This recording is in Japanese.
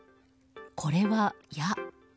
これは、矢。